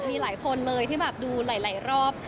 มีหลายคนเลยที่แบบดูหลายรอบ